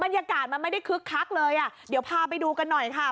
บรรยากาศมันไม่ได้คึกคักเลยอ่ะเดี๋ยวพาไปดูกันหน่อยค่ะ